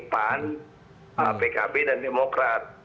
pan pkb dan demokrat